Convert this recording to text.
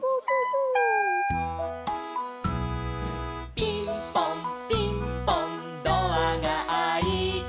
「ピンポンピンポンドアがあいて」